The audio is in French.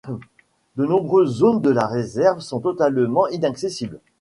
De nombreuses zones de la réserves sont totalement inaccessibles.